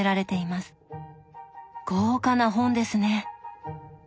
豪華な本ですね。